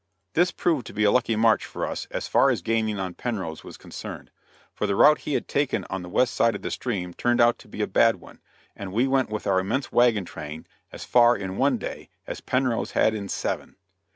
This proved to be a lucky march for us as far as gaining on Penrose was concerned, for the route he had taken on the west side of the stream turned out to be a bad one, and we went with our immense wagon train as far in one day as Penrose had in seven.